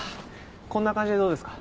こんな感じでどうですか？